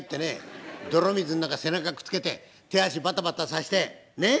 泥水の中背中くっつけて手足バタバタさせてねえっ！